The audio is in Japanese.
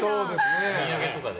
お土産とかで。